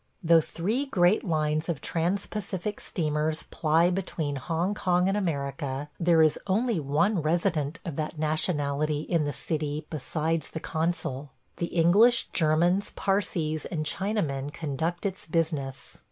Though three great lines of trans Pacific steamers ply between Hong Kong and America, there is only one resident of that nationality in the city besides the consul. The English, Germans, Parsees, and Chinamen conduct its business.